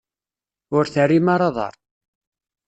Ur terrim ara aḍar.